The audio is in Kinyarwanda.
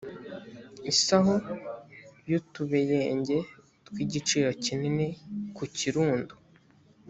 isaho y utubuyenge tw igiciro kinini ku kirundo